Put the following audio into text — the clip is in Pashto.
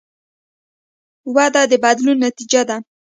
وده د بدلون نتیجه ده.